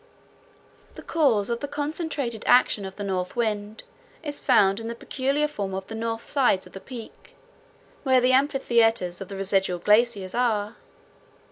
The cause of the concentrated action of the north wind is found in the peculiar form of the north sides of the peaks, where the amphitheaters of the residual glaciers are.